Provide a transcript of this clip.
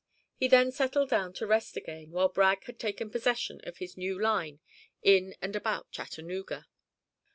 He had then settled down to rest again, while Bragg had taken possession of his new line in and about Chattanooga.